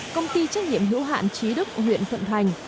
công ty trách nhiệm hữu hạn trí đức huyện thuận thành